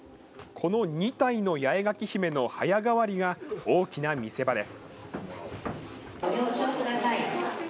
この２体の八重垣姫の早変わりが大きな見せ場です。